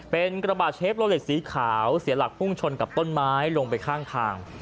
เป็นกระบาดเชฟโลเลสสีขาวเสียหลักพุ่งชนกับต้นไม้ลงไปข้างทาง